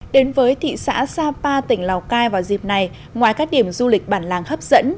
đến với thị xã sapa tỉnh lào cai vào dịp này ngoài các điểm du lịch bản làng hấp dẫn